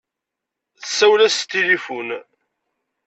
Tessawel-as s tilifun.